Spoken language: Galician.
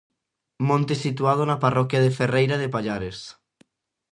Monte situado na parroquia de Ferreira de Pallares.